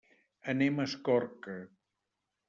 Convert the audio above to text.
Anem a Escorca.